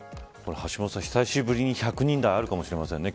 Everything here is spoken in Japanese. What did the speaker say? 橋下さん、久しぶりに１００人台あるかもしれませんね。